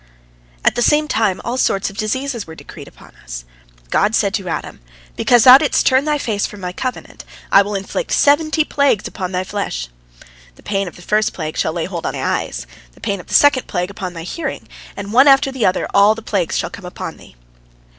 " At the same time all sorts of diseases were decreed upon us. God said to Adam: "Because thou didst turn aside from My covenant, I will inflict seventy plagues upon thy flesh. The pain of the first plague shall lay hold on thy eyes; the pain of the second plague upon thy hearing, and one after the other all the plagues shall come upon thee."